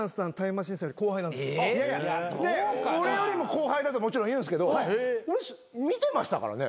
で俺よりも後輩だともちろん言うんすけど見てましたからね。